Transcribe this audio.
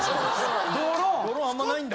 ・ドローンあんまないんだ・